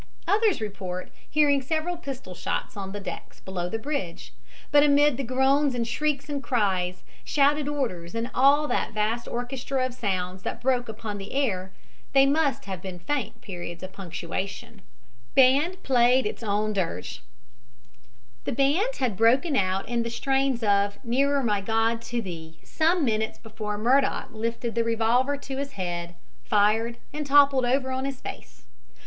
Others report hearing several pistol shots on the decks below the bridge, but amid the groans and shrieks and cries, shouted orders and all that vast orchestra of sounds that broke upon the air they must have been faint periods of punctuation BAND PLAYED ITS OWN DIRGE The band had broken out in the strains of "Nearer, My God, to Thee," some minutes before Murdock lifted the revolver to his head, fired and toppled over on his face.